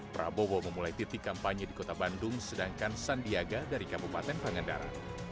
prabowo memulai titik kampanye di kota bandung sedangkan sandiaga dari kabupaten pangandaran